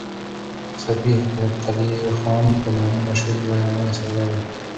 صفي قلي خان په لېوني مشهور يو ایراني سردار و.